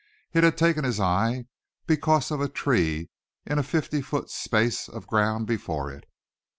It had taken his eye because of a tree in a fifty foot space of ground before it.